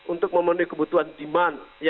untuk memenuhi kebutuhan demand